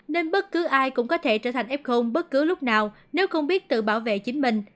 nên bất cứ ai cũng có thể trở thành f bất cứ lúc nào nếu không biết tự bảo vệ chính mình